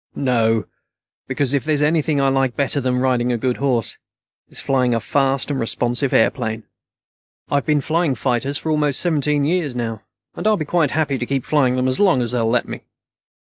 "No, because if there's anything I like better than riding a good horse, it's flying a fast and responsive airplane. I've been flying fighters for almost seventeen years now, and I'll be quite happy to keep flying them as long as they'll let me.